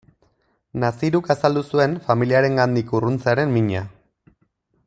Naziruk azaldu zuen familiarengandik urruntzearen mina.